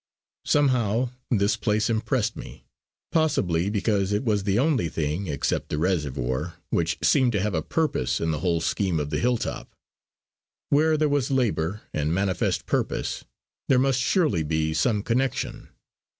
Somehow this place impressed me, possibly because it was the only thing, except the reservoir, which seemed to have a purpose in the whole scheme of the hill top. Where there was labour and manifest purpose, there must surely be some connection.